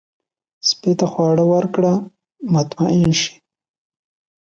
سپي ته خواړه ورکړه، مطمئن شي.